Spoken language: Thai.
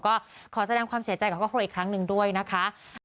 ก็ขอแสดงความเสียใจกับครอบครัวอีกครั้งหนึ่งด้วยนะคะ